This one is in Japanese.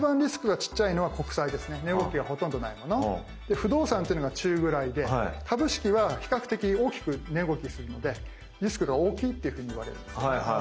不動産というのが中ぐらいで株式は比較的大きく値動きするのでリスクが大きいっていうふうにいわれるんですね。